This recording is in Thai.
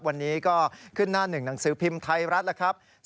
วันนี้ก็ขึ้นหน้าหนึ่งหนังสือพิมพ์ไทยรัฐแล้วครับ